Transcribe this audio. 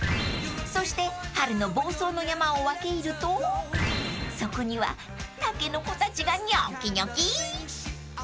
［そして春の房総の山を分け入るとそこにはタケノコたちがにょきにょき］